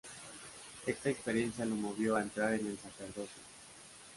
Esta experiencia lo movió a entrar en el sacerdocio.